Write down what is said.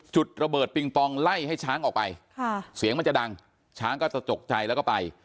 จุดระเบิดปิงปองไล่ให้ช้างออกไปค่ะเสียงมันจะดังช้างก็จะตกใจแล้วก็ไป